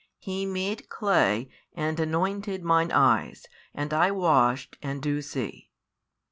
He made clay, and anointed mine eyes, and I washed, and do see.